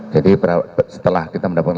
jadi setelah kita mendapatkan